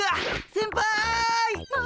先輩！